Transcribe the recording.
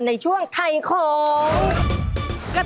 ในช่วงไทยของ